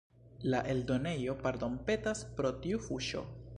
La eldonejo pardonpetas pro tiu fuŝo.